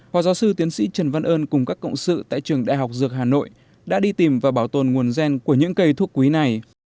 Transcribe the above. hòa giáo sư tiến sĩ trần văn ơn cùng các cộng sự tại trường đại học dược hà nội đã đi tìm và bảo tồn nguồn gen của những cây thuốc quý này